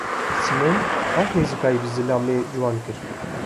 Sîmon baş nêzîkayî bi zilamê ciwan kir.